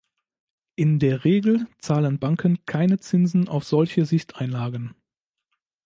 In der Regel zahlen Banken keine Zinsen auf solche Sichteinlagen.